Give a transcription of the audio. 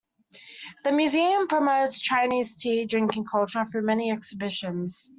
The museum promotes Chinese tea drinking culture through many exhibitions.